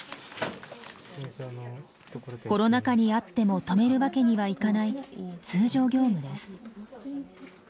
コロナ禍にあっても止めるわけにはいかない通常業務です。